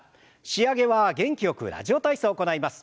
仕上げは元気よく「ラジオ体操」を行います。